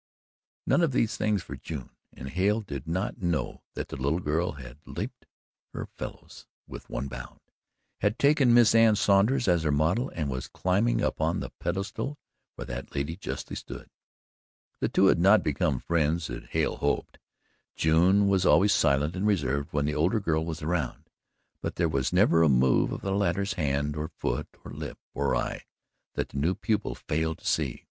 None of these things for June and Hale did not know that the little girl had leaped her fellows with one bound, had taken Miss Anne Saunders as her model and was climbing upon the pedestal where that lady justly stood. The two had not become friends as Hale hoped. June was always silent and reserved when the older girl was around, but there was never a move of the latter's hand or foot or lip or eye that the new pupil failed to see.